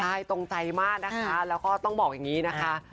ใช่ตรงใจมากนะคะแล้วก็ต้องบอกอย่างนี้นะคะ